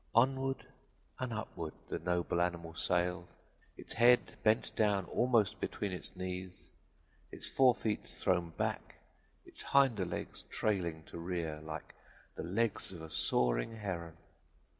Onward and upward the noble animal sailed, its head bent down almost between its knees, its fore feet thrown back, its hinder legs trailing to rear like the legs of a soaring heron.